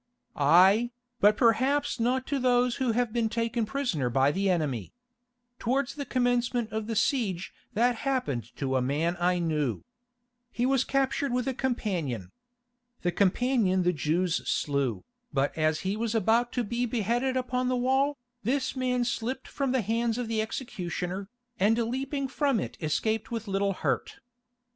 "Aye, but perhaps not to those who have been taken prisoner by the enemy. Towards the commencement of the siege that happened to a man I knew. He was captured with a companion. The companion the Jews slew, but as he was about to be beheaded upon the wall, this man slipped from the hands of the executioner, and leaping from it escaped with little hurt.